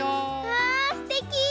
わすてき！